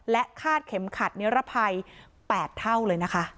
และคาดเข็มขัดนิรภัย๘เท่าเลยนะคะ